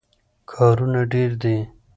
کارونه ډېر دي.